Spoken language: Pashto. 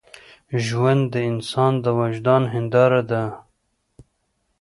ژوند د انسان د وجدان هنداره ده.